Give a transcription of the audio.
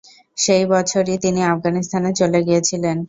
সেই বছরই তিনি আফগানিস্তানে চলে গিয়েছিলেন।